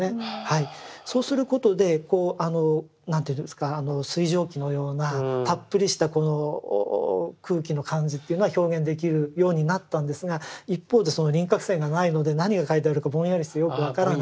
そうすることでこう何ていうんですか水蒸気のようなたっぷりしたこの空気の感じっていうのは表現できるようになったんですが一方でその輪郭線がないので何が描いてあるかぼんやりしてよく分からない。